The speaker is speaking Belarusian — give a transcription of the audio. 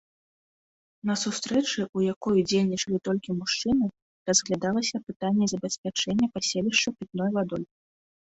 На сустрэчы, у якой удзельнічалі толькі мужчыны, разглядалася пытанне забеспячэння паселішча пітной вадой.